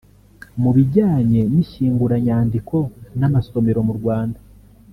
mu bijyanye n’ishyinguranyandiko n’amasomero mu Rwanda